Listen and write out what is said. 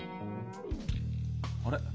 あれ？